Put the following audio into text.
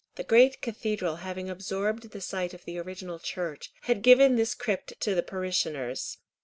The great cathedral, having absorbed the site of the original church, had given this crypt to the parishioners.